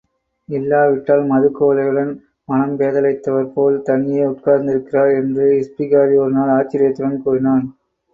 இல்லாவிட்டால் மதுக் குவளையுடன் மனம் பேதலித்தவர்போல் தனியே உட்கார்ந்திருக்கிறார் என்று இஸ்பிகாரி ஒருநாள் ஆச்சரியத்துடன் கூறினான்.